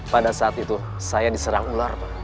pada saat itu saya diserang ular pak